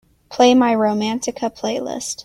Play my Romántica playlist